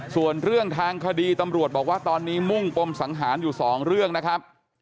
ส่วนเรื่องทางคดีตำรวจบอกว่าตอนนี้มุ่งปมสังหารอยู่สองเรื่องนะครับ